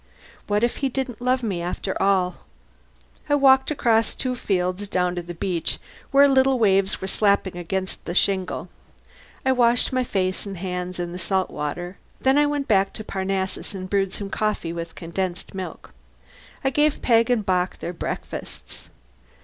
What if he didn't love me after all? I walked across two fields, down to the beach where little waves were slapping against the shingle. I washed my face and hands in salt water. Then I went back to Parnassus and brewed some coffee with condensed milk. I gave Peg and Bock their breakfasts.